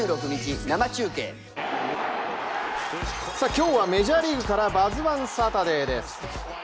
今日はメジャーリーグから「バズ☆１」サタデーです。